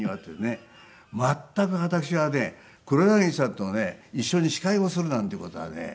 全く私はね黒柳さんとね一緒に司会をするなんていう事はね